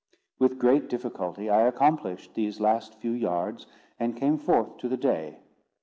With great difficulty I accomplished these last few yards, and came forth to the day.